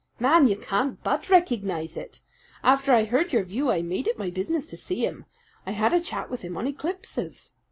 "Man, you can't but recognize it! After I heard your view I made it my business to see him. I had a chat with him on eclipses.